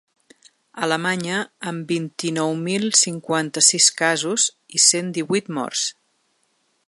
Alemanya, amb vint-i-nou mil cinquanta-sis casos i cent divuit morts.